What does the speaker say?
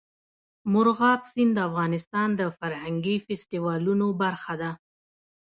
مورغاب سیند د افغانستان د فرهنګي فستیوالونو برخه ده.